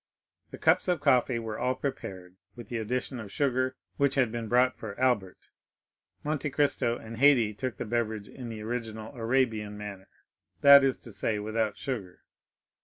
The cups of coffee were all prepared, with the addition of sugar, which had been brought for Albert. Monte Cristo and Haydée took the beverage in the original Arabian manner, that is to say, without sugar.